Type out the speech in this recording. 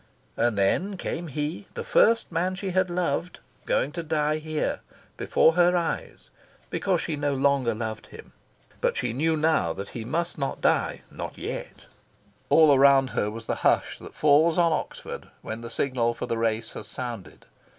And then came he, the first man she had loved, going to die here, before her eyes, because she no longer loved him. But she knew now that he must not die not yet! All around her was the hush that falls on Oxford when the signal for the race has sounded.